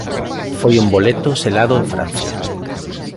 Foi un boleto selado en Francia.